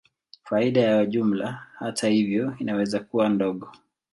Faida ya jumla, hata hivyo, inaweza kuwa ndogo.